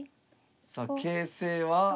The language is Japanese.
さあ形勢は。